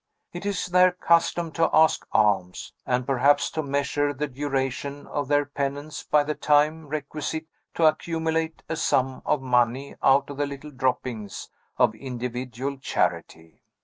It is their custom to ask alms, and perhaps to measure the duration of their penance by the time requisite to accumulate a sum of money out of the little droppings of individual charity.